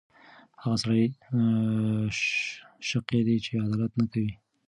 هغه سړی شقیه دی چې عدالت نه کوي.